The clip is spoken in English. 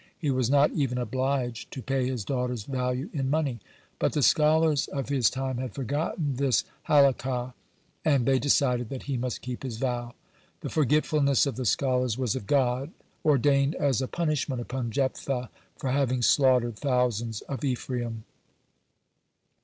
He was not even obliged to pay his daughter's value in money. But the scholars of his time had forgotten this Halakah, and they decided that he must keep his vow. The forgetfulness of the scholars was of God, ordained as a punishment upon Jephthah for having slaughtered thousands of Ephraim.